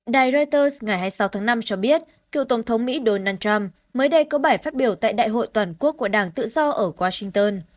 đài reuters ngày hai mươi sáu tháng năm cho biết cựu tổng thống mỹ donald trump mới đây có bài phát biểu tại đại hội toàn quốc của đảng tự do ở washington